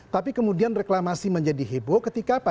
tapi kemudian reklamasi menjadi heboh ketika apa